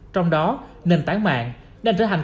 trong đó nền tảng mạng đang trở thành